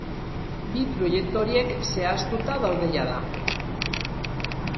Bi proiektu horiek zehaztuta daude jada.